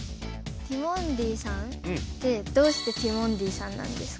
ティモンディさんってどうしてティモンディさんなんですか？